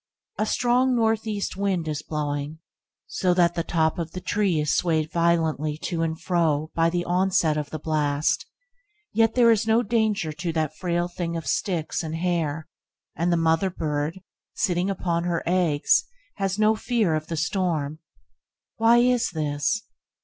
A strong, north east wind is blowing, so that the top of the tree is swayed violently to and fro by the onset of the blast; yet there is no danger to that frail thing of sticks and hair, and the mother bird, sitting upon her eggs, has no fear of the storm. Why is this?